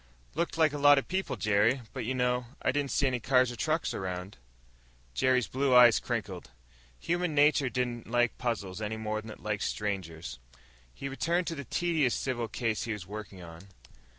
"Looked like a lot of people, Jerry. But you know I didn't see any cars or trucks around." Jerry's blue eyes crinkled. Human nature didn't like puzzles any more than it liked strangers. He returned to the tedious civil case he was working on.